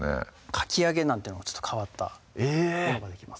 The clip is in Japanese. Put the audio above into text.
かき揚げなんてのもちょっと変わったものができます